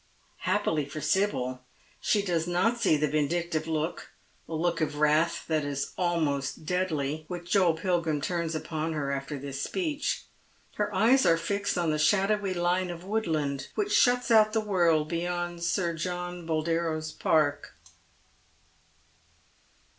Happily for Sibyl, she does not see the vindictive look — a look of wrath that is almost deadly — which Joel Pilgrim turns upon her after this speech. Her eyes are fixed on the shado^^y line of woodland which shuts out the world beyond Sir John Boldero's park.